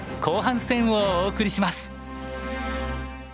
後半戦」をお送りします。